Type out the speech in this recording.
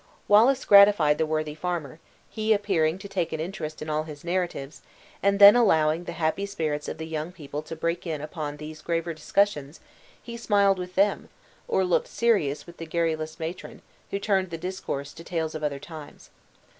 Wallace gratified the worthy father, he appearing to take an interest in all his narratives, and then allowing the happy spirits of the young people to break in upon these graver discussions, he smiled with them, or looked serious with the garrulous matron, who turned the discourse to tales of other times.